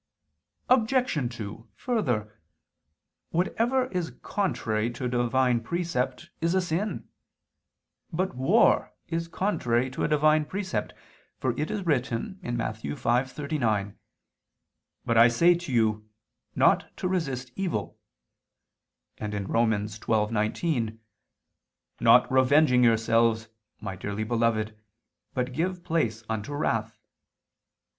Obj. 2: Further, whatever is contrary to a Divine precept is a sin. But war is contrary to a Divine precept, for it is written (Matt. 5:39): "But I say to you not to resist evil"; and (Rom. 12:19): "Not revenging yourselves, my dearly beloved, but give place unto wrath."